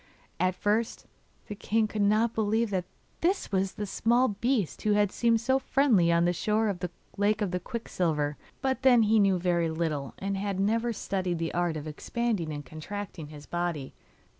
At first the king could not believe that this was the small beast who had seemed so friendly on the shore of the lake of quicksilver but then he knew very little of necromancy, and had never studied the art of expanding and contracting his body.